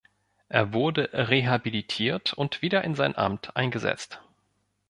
Er wurde rehabilitiert und wieder in sein Amt eingesetzt.